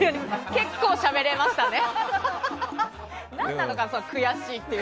結構しゃべれましたね。